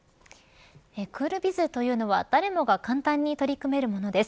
クールビズというのは誰もが簡単に取り組めるものです。